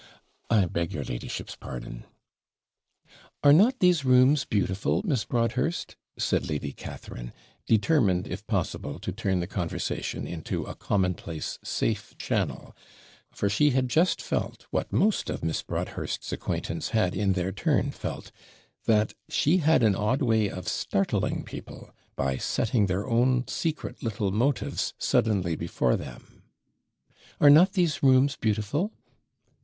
'I beg your ladyship's pardon ' 'Are not these rooms beautiful, Miss Broadhurst?' said Lady Catharine, determined, if possible, to turn the conversation into a commonplace, safe channel; for she had just felt, what most of Miss Broadhurst's acquaintance had in their turn felt, that she had an odd way of startling people, by setting their own secret little motives suddenly before them, 'Are not these rooms beautiful?'